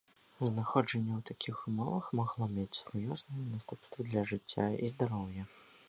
Знаходжанне ў такіх ўмовах магло мець сур'ёзныя наступствы для жыцця і здароўя.